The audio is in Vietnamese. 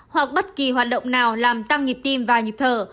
hoặc bất kỳ hoạt động nào làm tăng nhịp tim và nhịp thở